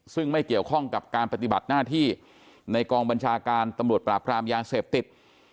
ซึ่งไม่เกี่ยวข้องกับการปฏิบัติหน้าที่ในกองบัญชาการตำรวจปราบรามยาเสพติด